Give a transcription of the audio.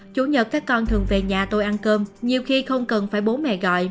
chủ nhật các con thường về nhà tôi ăn cơm nhiều khi không cần phải bố mẹ gọi